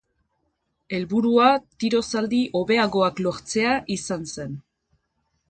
Helburua tiro-zaldi hobeagoak lortzea izan zen.